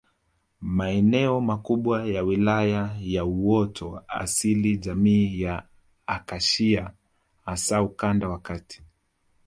Maeneo makubwa ya Wilaya ya uoto asili jamii ya Akashia hasa ukanda wa Kati